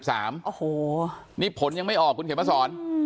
อันนี้ผลยังไม่ออกคุณเขตพระสอน